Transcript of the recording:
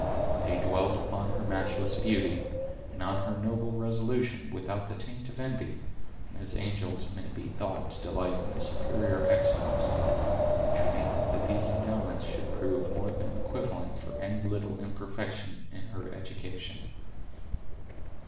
They dwelled upon her matchless beauty, and on her noble resolution, without the taint of envy, and as angels may be thought to delight in a superior excellence; adding, that these endowments should prove more than equivalent for any little imperfection in her education.